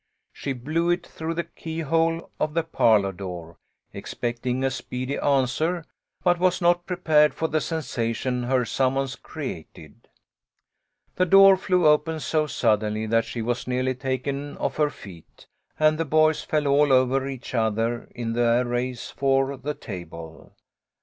She blew it through the keyhole of the parlour door, expecting a speedy answer, but was not prepared for the sensation her summons created. The door flew open so suddenly that she was nearly taken off her feet, and the boys fell all over each other in their race for the table.